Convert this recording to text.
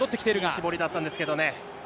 絞りだったんですけどね。